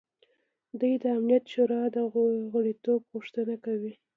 دوی د امنیت شورا د غړیتوب غوښتنه کوي.